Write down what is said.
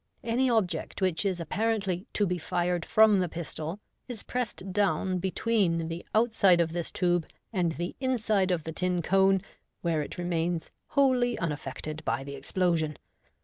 Any object which is apparently to be fired from the pistol is pressed down be tween the outside of this tube and the inside of the tin cone, where it remains wholly unaffected by the explosion.